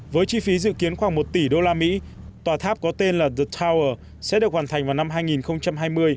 với chi phí dự kiến khoảng một tỷ đô la mỹ tòa tháp có tên là the tower sẽ được hoàn thành vào năm hai nghìn hai mươi